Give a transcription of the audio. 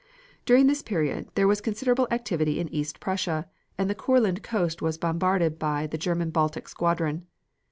During this period there was considerable activity in East Prussia, and the Courland coast was bombarded by the German Baltic squadron.